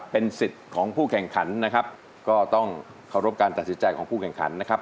เป็นสิทธิ์ของผู้แข่งขันนะครับก็ต้องเคารพการตัดสินใจของผู้แข่งขันนะครับ